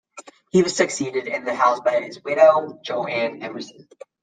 He was succeeded in the House by his widow, Jo Ann Emerson.